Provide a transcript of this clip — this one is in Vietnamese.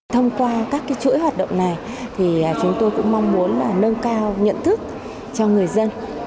thông qua các chuỗi hoạt động này thì chúng tôi cũng mong muốn là nâng cao nhận thức cho người dân